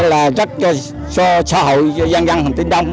là rất cho xã hội cho dân dân hành tín đông